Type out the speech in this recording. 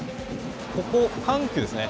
ここ、緩急ですね。